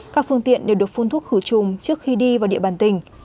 các phương tiện đều được phun thuốc khử trùng trước khi đi vào địa bàn tỉnh